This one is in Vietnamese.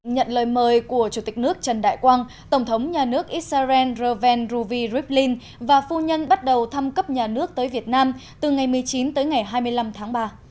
nhận lời mời của chủ tịch nước trần đại quang tổng thống nhà nước israel rerven ruvi rivlin và phu nhân bắt đầu thăm cấp nhà nước tới việt nam từ ngày một mươi chín tới ngày hai mươi năm tháng ba